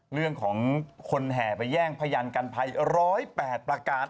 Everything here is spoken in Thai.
เรื่องของคนแห่ไปแย่งพยานกันภัย๑๐๘ประกาศ